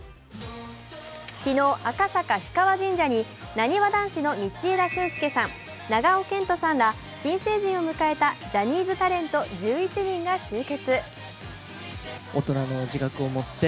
昨日、赤坂・氷川神社になにわ男子の道枝駿佑さん、長尾謙杜さんら新成人を迎えたジャニーズタレント１１人が集結。